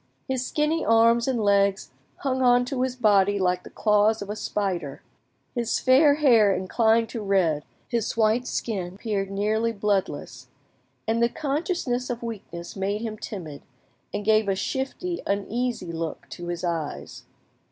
His skinny arms and legs hung on to his body like the claws of a spider, his fair hair inclined to red, his white skin appeared nearly bloodless, and the consciousness of weakness made him timid, and gave a shifty, uneasy look to his eyes.